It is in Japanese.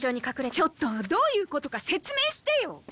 ちょっとどういうことか説明してよ！